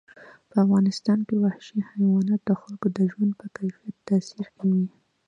په افغانستان کې وحشي حیوانات د خلکو د ژوند په کیفیت تاثیر کوي.